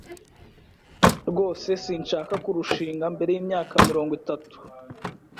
Rwose sinshaka kurushinga mbere yimyaka mirongo itatu.